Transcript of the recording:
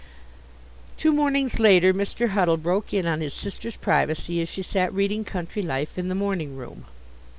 Two mornings later Mr. Huddle broke in on his sister's privacy as she sat reading Country Life in the morning room.